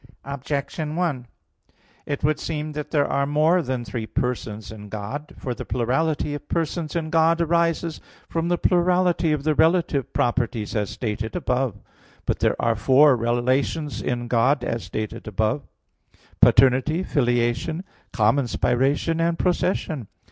Objection 1: It would seem that there are more than three persons in God. For the plurality of persons in God arises from the plurality of the relative properties as stated above (A. 1). But there are four relations in God as stated above (Q. 28, A. 4), paternity, filiation, common spiration, and procession.